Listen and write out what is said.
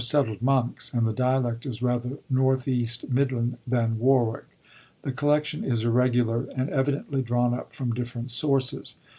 settled monks, and the dialect is rather north east midland than Warwick.* The collection is irregular and evidently drawn up from different sources.